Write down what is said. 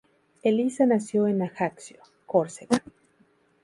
Elisa nació en Ajaccio, Córcega.